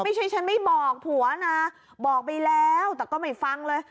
ไม่ใช่ฉันไม่บอกผัวนะบอกไปแล้วแต่ก็ไม่ฟังเลย